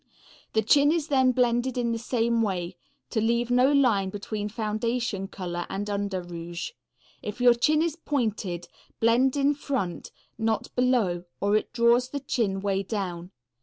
The chin is then blended in the same way, to leave no line between foundation color and under rouge. If your chin is pointed, blend in front, not below, or it draws the chin way down.